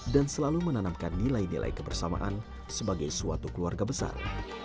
dan selalu menanamkan nilai nilai kebersamaan sebagai suatu keluarga besar